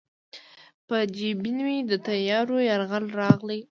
په جبین مې د تیارو یرغل راغلی